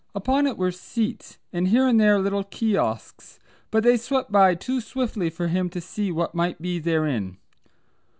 Upon it were seats, and here and there little kiosks, but they swept by too swiftly for him to see what might be therein.